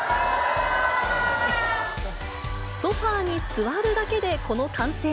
ソファーに座るだけで、この歓声。